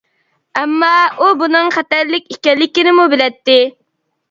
ئەمما ئۇ بۇنىڭ خەتەرلىك ئىكەنلىكىنىمۇ بىلەتتى.